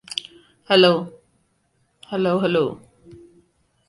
When sound came in, Edeson experimented with camouflaging the microphones in exterior shots.